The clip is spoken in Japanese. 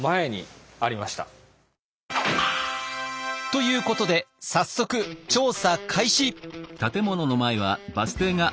ということで早速調査開始！